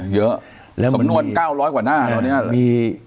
โอ้เยอะสำนวน๙๐๐กว่าหน้าแล้วนี้